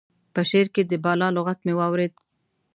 په شعر کې د بالا لغت مې واورېد.